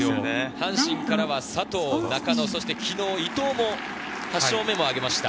阪神からは佐藤、中野、昨日、伊藤も８勝目をあげました。